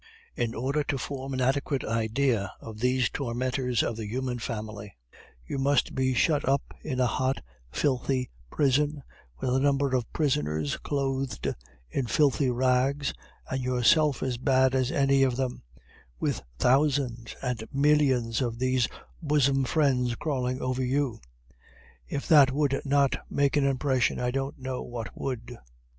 In order to form an adequate idea of these tormenters of the human family, you must be shut up in a hot, filthy prison, with a number of prisoners clothed in filthy rags, and yourself as bad as any of them, with thousands and millions of these bosom friends crawling over you. If that would not make an impression, I don't know what would.